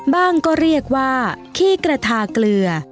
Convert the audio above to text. ก็เรียกว่าขี้กระทาเกลือ